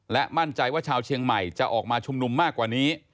และมั่นใจว่าชาวเชียงใหม่จะออกมาชุมนุมมากกว่านี้